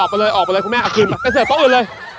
เอาออกไปอย่างใหญ่ไปเสียบต๊อบอื่นเลย